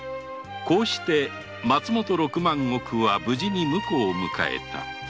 こうして松本六万石は無事に婿を迎えた